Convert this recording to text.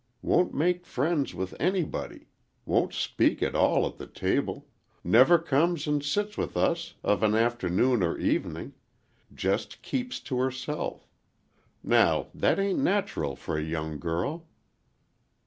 Won't make friends with anybody,—won't speak at all at the table,—never comes and sits with us of an afternoon or evening,—just keeps to herself. Now, that ain't natural for a young girl."